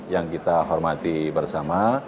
yang kita hormati bersama